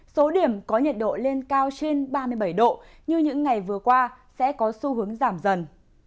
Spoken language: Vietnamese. số điểm có nhiệt độ lên cao trên ba mươi bảy độ như những ngày vừa qua sẽ có xu hướng giảm dần